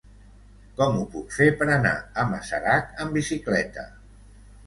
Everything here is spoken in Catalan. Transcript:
Com ho puc fer per anar a Masarac amb bicicleta?